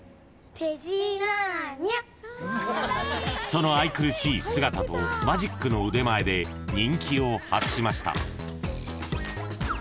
［その愛くるしい姿とマジックの腕前で人気を博しました］